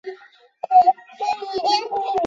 湾仔当时是居民捕鱼的主要地方。